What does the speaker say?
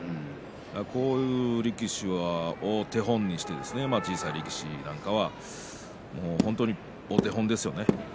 こういう力士はお手本にして小さい力士なんかはね本当にお手本ですよね。